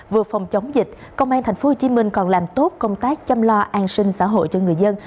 vừa phòng chống dịch công an tp hcm còn làm tốt công tác chăm lo an sinh xã hội cho người dân